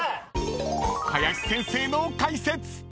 ［林先生の解説！］